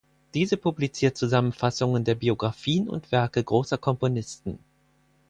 Diese publiziert Zusammenfassungen der Biographien und Werke großer Komponisten.